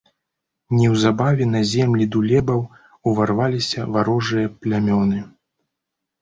Неўзабаве на землі дулебаў уварваліся варожыя плямёны.